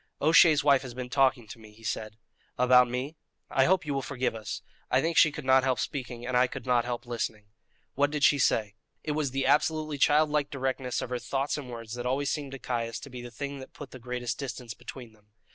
"O'Shea's wife has been talking to me," he said. "About me?" "I hope you will forgive us. I think she could not help speaking, and I could not help listening." "What did she say?" It was the absolutely childlike directness of her thoughts and words that always seemed to Caius to be the thing that put the greatest distance between them.